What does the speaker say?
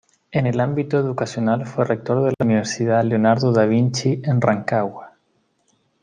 En el ámbito educacional fue rector de la Universidad Leonardo Da Vinci en Rancagua.